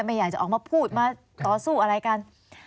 ไม่อยากจะออกมาพูดมาต่อสู้อะไรกัน